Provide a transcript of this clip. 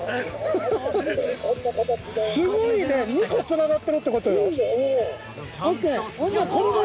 すごいね２個つながってるってことよ。